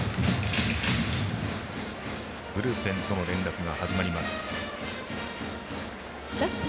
ブルペンとの連絡が始まります。